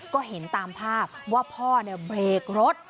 ก็เห็นตามภาพว่าพ่อเบรกรถ